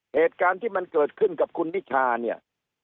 เหตุการณ์ที่มันเกิดขึ้นกับคุณนิชาเนี่ย